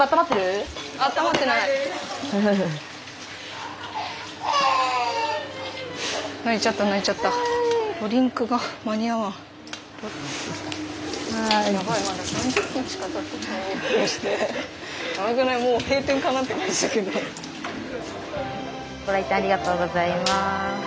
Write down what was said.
ご来店ありがとうございます。